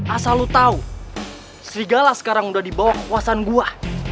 asal lu tau serigala sekarang udah dibawa kekuasaan gua